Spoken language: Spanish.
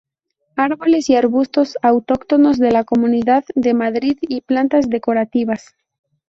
Árboles y arbustos autóctonos de la comunidad de Madrid y plantas decorativas.